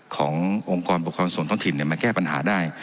ขององค์กรปกครองส่วนท้องถิ่นมาแก้ปัญหาได้